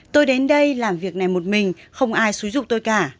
tôi đến đây làm việc này một mình không ai xúi dục tôi cả